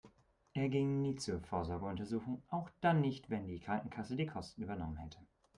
Er ging nie zur Vorsorgeuntersuchung, auch dann nicht, wenn die Krankenkasse die Kosten übernommen hätte.